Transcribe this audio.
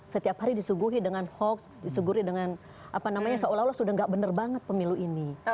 setiap hari disuguhi dengan hoax disuguhi dengan apa namanya seolah olah sudah nggak bener banget pemilu ini